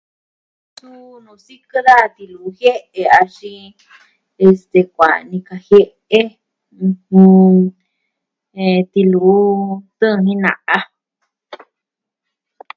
Suu nu sikɨ da tiluu jie'e axin, este, kuaan nika jie'e e tiluu tɨɨn ni na'a.